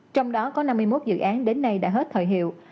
trong đó có năm mươi một dự án đến nay đã hết thời hiệu